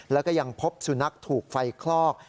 แล้วก็ยังพบสุนัขถูกไฟคลอก